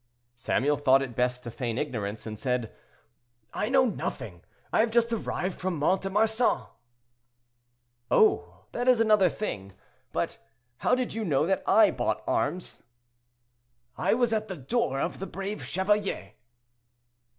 Samuel thought it best to feign ignorance, and said, "I know nothing; I have just arrived from Mont de Marsan." "Oh! that is another thing; but how did you know that I bought arms?" "I was at the door of 'The Brave Chevalier.'"